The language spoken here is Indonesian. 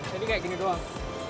jadi kayak gini doang